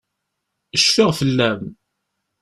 Cfiɣ fell-am.